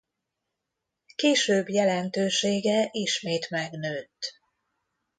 Később jelentősége ismét megnőtt.